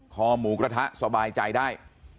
หมูกระทะสบายใจได้